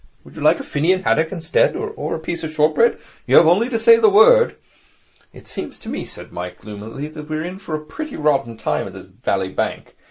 Would you like a finnan haddock, instead? Or a piece of shortbread? You have only to say the word.' 'It seems to me,' said Mike gloomily, 'that we are in for a pretty rotten time of it in this bally bank.